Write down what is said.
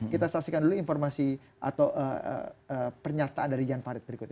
kita saksikan dulu informasi atau pernyataan dari jan farid berikutnya